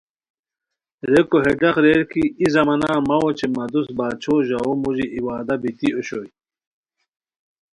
ریکو ہے ڈاق ریر کی ای زمانہ مہ اوچے مہ دوست باچھو ژاوؤ موژی ای وعدہ بیتی اوشوئے